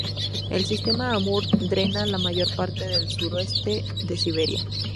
El sistema Amur drena la mayor parte del sureste de Siberia.